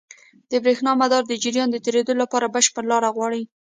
د برېښنا مدار د جریان د تېرېدو لپاره بشپړ لاره غواړي.